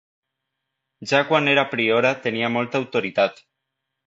Ja quan era priora tenia molta autoritat.